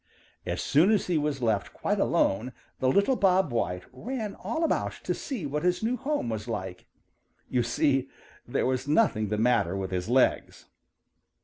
As soon as he was left quite alone the little Bob White ran all about to see what his new home was like. You see, there was nothing the matter with his legs.